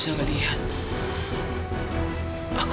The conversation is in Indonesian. esos ini masihota ibu